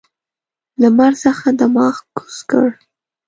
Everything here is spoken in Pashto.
لمر څخه دماغ کوز کړ.